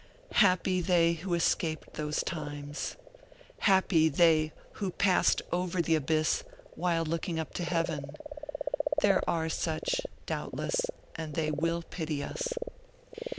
Happy they who escaped those times! Happy they who passed over the abyss while looking up to Heaven. There are such, doubtless, and they will pity us.